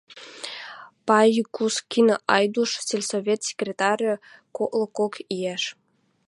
Пайгускин Айдуш, сельсовет секретарь, коклы кок иӓш.